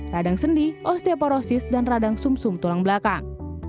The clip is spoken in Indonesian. radang sendi osteoporosis dan radang sum sum tulang belakang